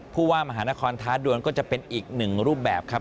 ผู้ว่ามหานครท้าดวนก็จะเป็นอีกหนึ่งรูปแบบครับ